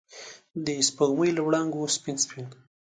د سپوږمۍ له وړانګو سپین، سپین